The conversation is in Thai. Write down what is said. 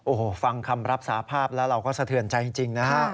โอ้โหฟังคำรับสาภาพแล้วเราก็สะเทือนใจจริงนะฮะ